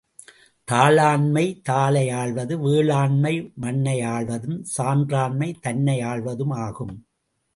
தாளாண்மை தாளை ஆள்வது, வேளாண்மை மண்ணை ஆள்வதும், சான்றாண்மை தன்னை ஆள்வதுமாகும்.